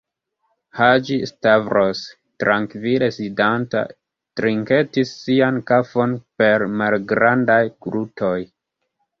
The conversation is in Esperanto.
Haĝi-Stavros, trankvile sidanta, trinketis sian kafon per malgrandaj glutoj.